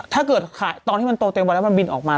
ถ้าเกิดขาดตอนที่มันโตเต็มวะมันต้องกินออกมา